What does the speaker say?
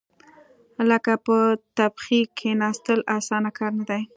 لکه په تبخي کېناستل، اسانه کار نه دی.